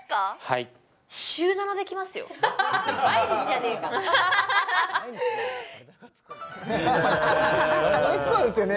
はい楽しそうですよね